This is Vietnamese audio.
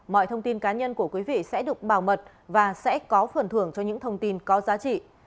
mọi thông tin cá nhân của quý vị sẽ được bảo mật và sẽ có phần thưởng cho những thông tin có giá trị